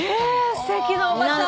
すてきなおばさん。